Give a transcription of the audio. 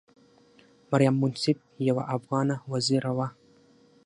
مریم منصف یوه افغانه وزیره وه.